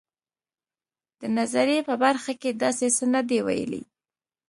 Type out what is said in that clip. د نظریې په برخه کې داسې څه نه دي ویلي.